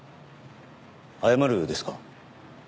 謝るですか？